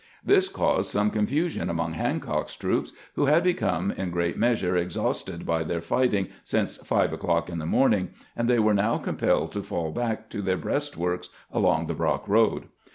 This caused some confusion among Hancock's troops, who had become in great measure exhausted by their fighting since five o'clock in the morning, and they were now compelled to fall back to their breastworks along the Brock road.